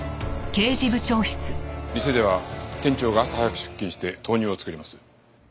店では店長が朝早く出勤して豆乳を作ります。